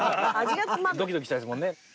ドキドキしたいですもんね。